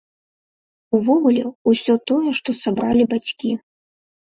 Увогуле, усё тое, што сабралі бацькі.